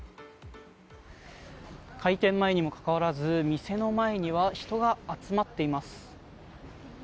開店前にもかかわらず店の前には人が集まっています。